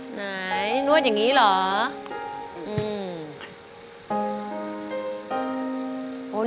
ไหนนวดอย่างนี้เหรอ